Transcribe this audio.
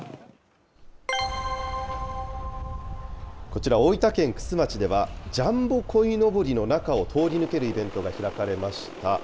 こちら大分県玖珠町では、ジャンボこいのぼりの中を通り抜けるイベントが開かれました。